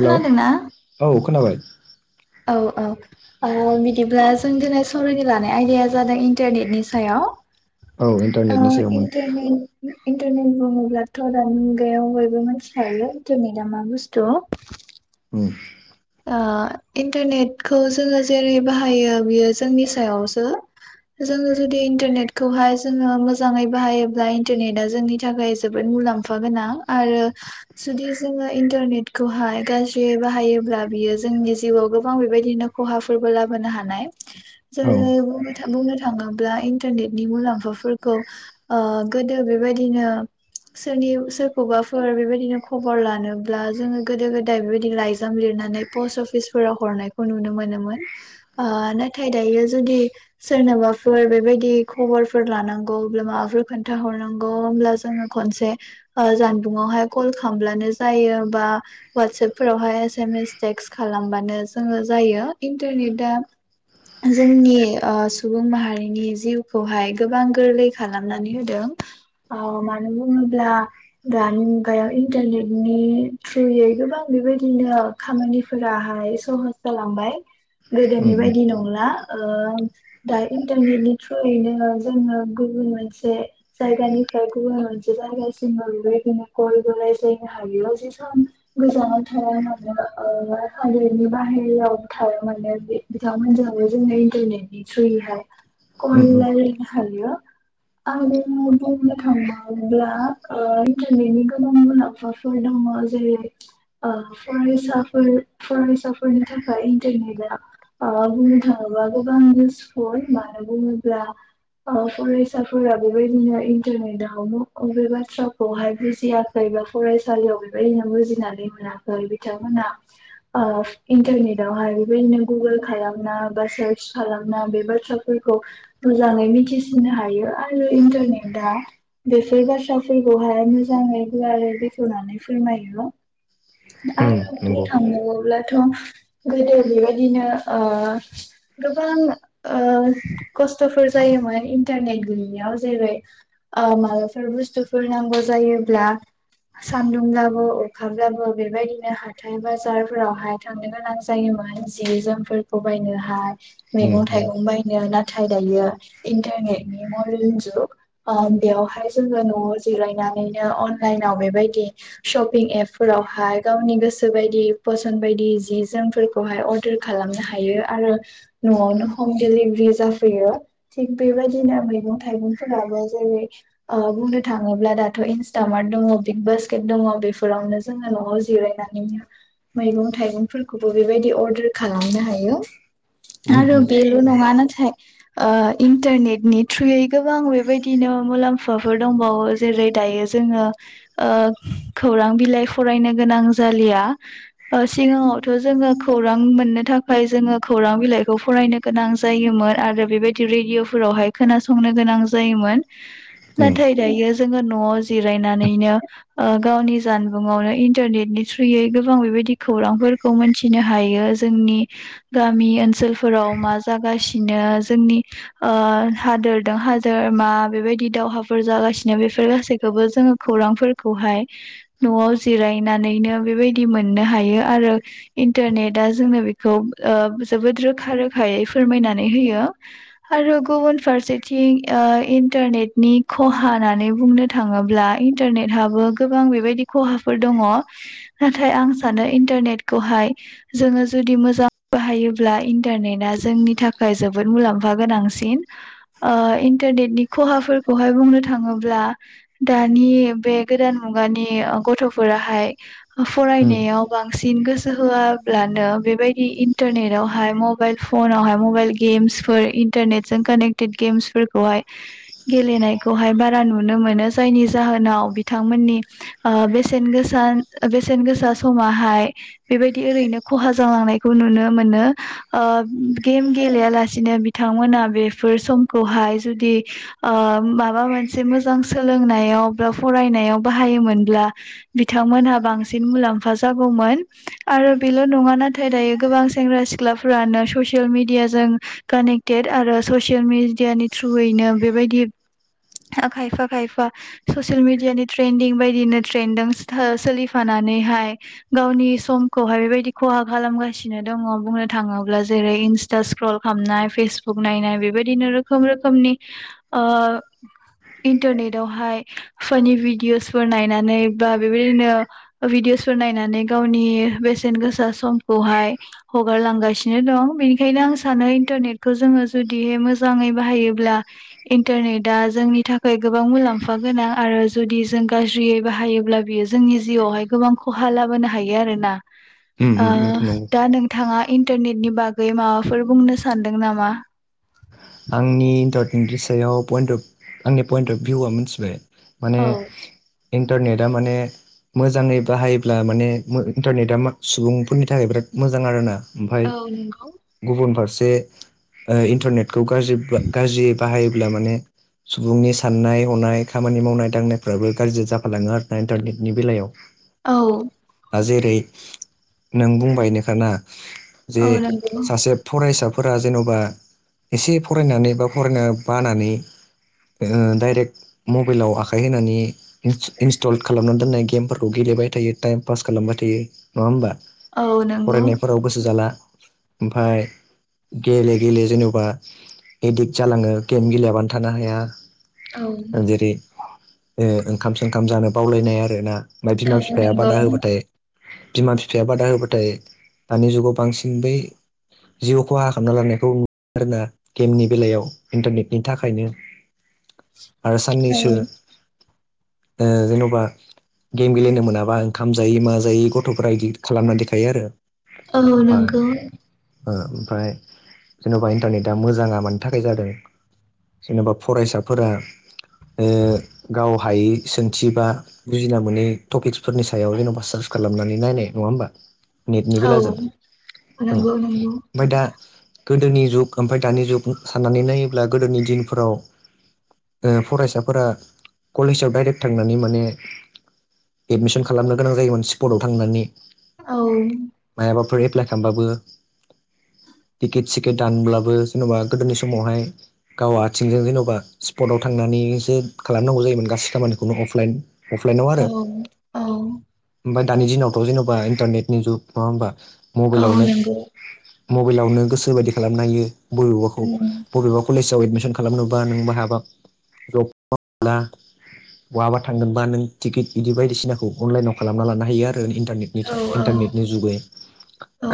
हेल' औ खोनाबाय औ-औ - औ बिदिब्ला जों दिनै सावरायनो लानाय आयदाया जादों इन्टारनेटनि सायाव औ इन्टारनेटनि ओ सायावमोन इन्टारनेटनि इन्टारनेट बुङोब्लाथ' दानि मुगायाव बयबो मिथिखायो इन्टारनेटा मा बुस्थु औ ओ इन्टारनेटखौ जोङो जेरै बाहायो बियो जोंनि सायावसो जोङो जुदि इन्टारनेटखौहाय जोङो मोजाङै बाहायोब्ला इन्टारनेटआ जोंनि थाखाय जोबोद मुलाम्फा गोनां आरो जुदि जोङो इन्टारनेटखौहाय गाज्रियै बाहायोब्ला बियो जोंनि जिउआव गोबां बेबायदिनो खहाफोरबो लाबोनो हानाय औ जेरै बुंनो था थाङोब्ला इन्टारनेटनि मुलाम्फाफोरखौ ओ गोदो बेबायदिनो सोरनि सोरखौबाफोर बेबायदिनो खबर लानोब्ला जोङो गोदो गोदाय बेबायदि लाइजाम लिरनानै पस्ट अफिसफोराव हरनायखौ नुनो मोनोमोन ओ नाथाय दायो जुदि सोरनोबा माबाफोर बेबायदि खबरफोर लानांगौ अब्ला माबाफोर खोन्थाहरनांगौ होमब्ला जोङो खनसे ओ जानबुङावहाय कल खालामब्लानो जायो बा वाटसेपफोरावहाय एस एम एस टेक्स खालामबानो जोङो जायो इन्टारनेटआ जोंनि ओ सुबुं माहारिनि जिउखौहाय गोबां गोरलै खालामनानै होदों ओ मानो बुङोब्ला दानि मुगायाव इन्टारनेटनि थ्रुयै गोबां बेबायदिनो खामानिफोराहाय सहस जालांबाय गोदोनि उम बायदि नंला ओ दा इन्टारनेटनि थ्रुयैनो जोङो गु बुन मोनसे जायगानिफ्राय गुबुन मोनसे जायगासिमबो बेबायदिनो कलबो रायज्लायनो हायो [unintelligible] सान गोजानाव थाया मा नो ओ हादरनि बाहेरायाव थाया मानो बि-बिथांमोनजोंबो जोंनि इन्टारनेटनि थ्रुयै हाय कल उम उम लायरायनो हायो आरो बुंनो थांबावब्ला ओ इन्टारनेटनि गोबां मुलाम्फाफोर द ङ जरै ओह फरायसाफोर फरायसाफोरनि थाखाय इन्टारनेटआ माबा बुंनो थाङोबा गोबां युसफोल मानो बुङोब्ला ओ फरायसाफोरा बेबायदिनो इन्टारनेटाव बे बाथ्राखौहाय बुजियाखै एबा फरायसालियाव बेबायदिनो बुजिनानै मोना बिथांमोना ओ इन्टारनेटावहाय बेबायदिनो गुगोल खालामना बा सार्च खालामना बे बाथ्राफोरखौ मोजाङै मिथिसिननो हायो आरो इन्टारनेटआ बेफोर बाथ्राफोरखौहाय मोजाङै गुवारै बेखेवनानै फोरमायो उम आरो बुंनो नंगौ थाङोब्लाथ' गोदो बेबायदिनो ओ गोबां ओ खस्थ'फोर जायोमोन इन्टारनेट गोयियाव जेरै ओ माबाफोर बुस्थुफोर नांगौ जायोब्ला सानदुंब्लाबो अखाब्लाबो बेबायदिनो हाथाय बाजारफोरावहाय थांनो गोनां जायोमोन जि जोमफोरखौ बायनोहाय उम मैगं उम थाइगं बायनो नाथाय दायो इन्टारनेटनि मदेल जुग ओ बेयावहाय जोङो न'आव जिरायनानैनो अनलाइनाव बेबायदि शपिं एपफोराव हाय गावनि गोसो बायदि फसन बायदि जि जोमफोरखौहाय अर्डार खालामनो हायो आरो न'आवनो हम दिलिभारि जाफैयो थिग बेबायदिनो मैगं थाइगंफोराबो जे रै ओ बुंनो थाङोब्ला दाथ' इन्सटामार्त दङ बिग बास्केट दङ बेफोरावनो जोङो न'आव जिरायनानैनो मैगं थाइगंफोरखौबो बेबायदि अर्डार खालामनो हायो उम उम आरो बेल' नङा नाथा थाय इन्टारनेटनि थ्रुयै गोबां बेबायदिनो मुलाम्फाफोर दंबावो जेरै रै दायो जोङो ओ खौरां बिलाइ फरायनो गोनां जालिया ओ सिगाङावथ' जोङो खौरां मोननो थाखाय जोङो खौ रां बिलाइखौ फरायनो गोनां जायोमोन आरो बेबायदि रेडिअफोरावहाय खोनासंनो गोनां जायोमोन उम नाथाय दायो जोङो न'आव जिरायनानैनो ओ गावनि जान बुंआवनो इन्टारनेटनि थ्रुयै गोबां बेबायदि खौरांफोरखौ मोनथिनो हायो जोंनि गामि ओनसोलफोराव मा जागासिनो जोंनि ओ हादोरदो हादोर मा बेबायदि दावहाफोर जागासिनो बेफोर गासैखौबो जोङो खौरांफोरखौहाय न'आव जिरायनानैनो बेबायदि मोननो हायो आरो इन्टारनेटआ जोंनो बेखौ। ओ जोबोद रोखा रोखायै फोरमायनानै होयो आरो गुबुन फारसेथिं। ओ इन्टारनेटनि खहा होननानै बुंनो थाङोब्ला इन्टारनेटहाबो गोबां बेबायदि। खहाफोर दङ नाथाय आं सानो इन्टारनेटखौहाय जोङो जुदि मोजां। बाहायोब्ला इन्टारनेटआ जोंनि थाखाय जोबोद मुलाम्फा गोनांसिन ओ इनटार इनेटनि खहाफोरखौहाय बुंनो थाङोब्ला दानि बे गोदान मुगानि ओ गथ'फोराहाय उम उम फरायनायाव बांसिन गोसो होआब्लानो बेबायदि इन्टार इन्टारनेटावहाय मबाइल फनावहाय मबाइल गेम्सफोर इन्टारनेटजों कानेक्टेड गेम्सफोरखौहाय। गेलेनायखौहाय बारा नुनो मोनो जायनि जाहोनाव बिथांमोननि। ओ बेसे गोसा बेसेन गोसा समाहाय बेबायदि ओरैनो खहा जालांनायखौ नु नुनो मोनो ओ गेम गेले लासेनो बिथांमोना बेफोर समखौहाय। जुदि ओ माबा मोनसे मोजां सोलोंनायाव बा फरायनायाव बाहायोमोन ब्ला बिथांमोनहा बांसिन मुलाम्फा जागौमोन आरो बेल' नङा नाथाय दायो गो गोबां सेंग्रा सिख्लाफोरानो ससियेल मिडियाजों कानेक्टेड आरो ससियेल मिडिया नि थ्रु यैनो बेबायदि खायफा खायफा ससिल मिडियानि ट्रेन्डं बायदिनो ट्रेनजों हो सोलिफानानैहाय गावनि समखौहाय बेबायदि खहा खालामगासिनो दङ बुंनो थाङोब्ला जेरै इन्स्टा स्क्रल खालामनाय फेसबुक नायनाय बेबायदिनो रोखोम रोखोमनि नि ओ इन्टारनेटयावहाय फानि भिडअसफोर नायनानै बा बेबायदिनो भिदिअसफोर नायनानै गावनि बेसेन गोसा समखौहाय हगारलांगासिनो दं बेनिखायनो आं सानो इन्टारनेटखौ जोङो जुदिहाय मोजाङै बाहायोब्ला ब्ला इन्टारनेटया जोंनि थाखाय गोबां मुलाम्फा गोनां आरो जुदि जों गाज्रियै बाहायोब्ला बियो जोंनि जिउआवहाय गोबां खहा लाबोनो हायो आरो ना। ओ उम बेथ' नंगौ दा नोंथाङा इ न्टारनेटनि बागै माबाफोर बुंनो सानदों नामा? आंनि इन्टारनेटनि सायाव पइन अफ आंनि पइन्ट अफ भिउआ मिनथिबाय माने औ इन्टारनेटआ माने मोजाङै बाहायोब्ला माने इन्टारनेटआ सुबुंफोरनि थाखाय बिराद मोजां आरोना। ओमफाय औ नंगौ गुबुन फारसे ओ इन्टारनेट खौ गाज्रि गाज्रियै बाहायोब्ला माने सुबुंनि साननाय हनाय खामानि मावनाय दांनायफ्राबो गाज्रि जाफालाङो आरोना इन्टारनेटनि बेलायाव। औ। जेरै नों बुंबायनो खाना जे औ नंगौ सासे फरायसा फोरा जेन'बा एसे फरायनानै बा फरायनो बानानै ओ डाइरेक्ट मबाइलाव आखाइ होनानै इन्स्टल खालामना दोननाय गेमफोरखौ गेले बाय थायो टाइम पास खालामबाय थायो नङा होमबा। औ नंगौ फरायनायफोराव गोसो जाला ओमफाय गेले गेले जेनबा एदिक्ट जालाङो गेम गेलेयाबानो थानो हाया औ ओ जेरै ओ ओंखाम सोंखाम जानो बावलायनाय आरो ना ओमफ्राय बिमा औ बिफाया नंगौ बादा होबाथाय बिमा बिफाया बादा होबाथाय दानि जुगाव बांसिन बै जिउ खहा खालामना लानायखौ आरोना गेमनि बेलायाव इन्टारनेटनि थाखायनो आरो औ साननैसो ओ जेन'बा गेम गेलेनो मोनाबा ओंखाम जायै मा जायै गथ'फोरा इदि खालामना देखायो आरो । औ नोंगौ। ओ ओमफ्राय जेन'बा इन्टारनेट आ मोजाङा मानि थाखाय जादों जेन'बा फरायसाफोरा ओ गाव हायि सोंथि बा बुजिना मोनै टपिक्सफोरनि सायाव जेन'बा सार्स खालामनानै नायनाय नङा होमबा। नेटनि औ बेलाजों औ नंगौ नंगौ ओमफ्राय दा गोदोनि जुग ओमफ्राय दानि जुग साननानै नायोब्ला गोदोनि दिनफोराव ओ फरायसाफोरा कलेजाव डाइरेक्ट थांनानै माने एडमिसन खालामनो गोनां जायोमोन स्पर्टआव थांनानै औ एफ्लाइ खालामब्लाबो टिकिन सिकिट दानब्ला बो जेन'बा गोदोनि समावहाय गाव आथिंजों जेनेबा स्पटव थांनानैसो खालामनांगौ जायोमोन गासै खामानिखौनो अफ लाइन अफ लाइनावनो आरो औ औ ओमफाय दानि दिनावथ' जेन'बा इन्टारनेटनि जुग नङा होनबा । औ नोंगौ मबाइलावनो गोसो बायदि खालामनो हायो बबेबाखौ उम बबेबा कलेजाव एदमिसन खालामनोबा नों माहाबा जब मावनोब्ला बहाबा थांगोनबा नों टिकेट बिदि बायदिसिनाखौ अनलाइनाव खालामना लानो हायो आरो । इन्टारनेटनि औ औ इन्टरनेटनि जुगै औ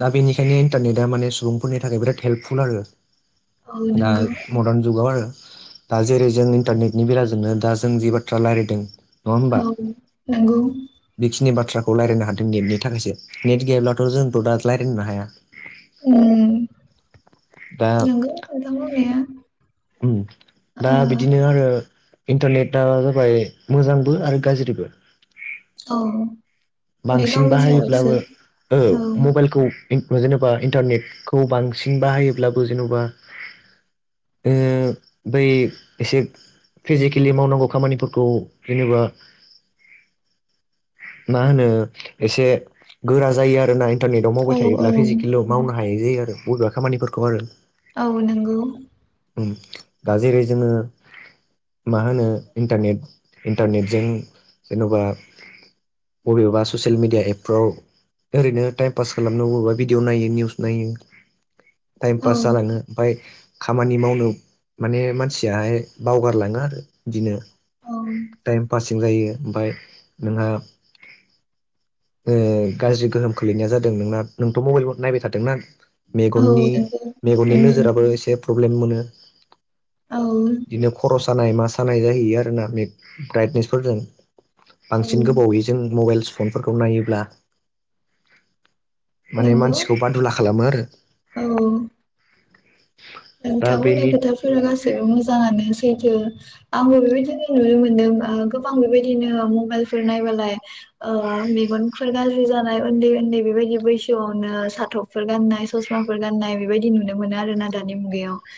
दा बेनि बेखायनो इन्टारनेटा माने सुबुंफोरनि थाखाय बिराद हेल्पफुल आरो औ दा नंगौ मदार्न जुगाव आरो दा जेरै जों इन्टारनेटनि बेलाजोंनो दा जों जि बाथ्रा रायलायदों नङा होमबा औ नंगौ बेखिनि बाथ्रा खौ रायलायनो हादों नेटनि थाखायसो नेट गैयाब्लाथ' जोंथ' दा रायलायनोबो हाया उम दा नंगौ नोंथां बुंनाया उम दा ओ बिदिनो आरो इन्टारनेटा जाबाय मोजांबो आरो गाज्रिबो औ बे बांसिन गावनि सायावसो बाहायोब्लाबो ओ औ मबाइलखौ जेनेबा इन्टारनेटखौ बांसिन बाहायोब्लाबो जेन'बा ओ बै एसे फिजिकेलि मावनांगौ खामानिफोरखौ जेनेबा [inaudible] मा होनो एसे गोरा जायो आरोना इन्टारनेटाव औ मावबाय औ थायोब्ला फिजिकेलाव मावनो हायै जायो बबेबा खामानिफोरखौ आरो औ नोंगौ दा जेरै जोङो मा होनो इन्टारनेट इन्टारनेटजों जेन'बा बबेबा ससियेल मिडिया एपफ्राव ओरैनो टाइम पास खालामनांगौबा भिदिअ नायो निउस नायो टाइम औ पास जालाङो ओमफाय खामानि मावनो माने मानसियाहाय बावगारलाङो आरो बिदिनो औ टाइम पासिं जायो ओमफाय नोंहा [inaudible] ओ गाज्रि गोहोम खोलैनाया जादों नोंना नोंथ' मबाइल नायबाय थादोंना औ मेगननि नंगौ मेगननि उम नोजोराबो एसे प्रब्लेम मोनो औ दिनो खर' सानाय मा सानाय जाहैयो आरो ना मेग ब्राइटनेसफोरजों बांसिन औ गोबावै मबाइलस् फनफोरखौ नायोब्ला माने नंगौ मानसिखौ बादुला खालामो आरो औ दा नोंथां बुंनाय बेनि खोथाफोरा गासैबो मोजाङानो जिथो आंबो बेबायदिनो नुनो मोनदों ओ गोबां बेबायदिनो मबाइलफोर नायबालाय ओ मेगनफोर गाज्रि जानाय ओन्दै ओन्दै बेबायदि बैसोआवनो साथबफोर गाननाय स स्माफोर गाननाय बेबायदि नुनो मोनो आरोना दानि मुगायाव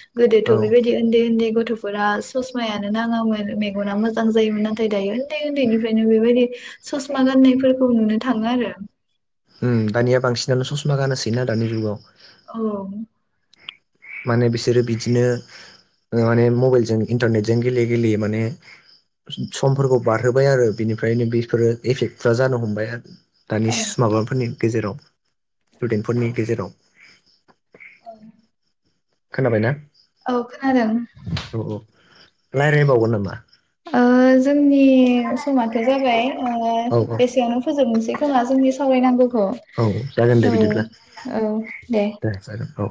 औ गोदोथ' बेबायदियै ओन्दै ओन्दै गथ' फोरा ससमायानो नाङामोन मेगना मोजां जायोमोन नाथाय दायो ओन्दै ओन्दैनिफ्रायनो बेबायदि ससमा गाननायफोरखौ नुनो थाङो आरो उम दानिया बांसिनान ससमा गानसैना दानि जुगाव औ माने बिसोरो बिदिनो माने मबाइलजों इन्टारनेटजों गेले गेले माने समफोरखौ बारहोबाय आरो बिनिफ्रायनो बेफोरो एफेक्टफ्रा जानो हमबाय आ औ दानि [unintelligible] माबाफोरनि गेजेराव स्टुडेन्टफोरनि गेजेराव औ खोनाबायना औ खोनादों लायरायबावगोन नामा ओ जोंनि समाथ' जाबाय ओ औ औ एसेयावनो फोजोबनोसै खोमा जोंनि सावराय नांगौ औ जागोन दे बिदिब्ला दे जागोन औ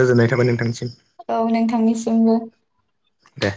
गोजोननाय थाबाय नोंथांसिम औ नोंथांनिसिमबो दे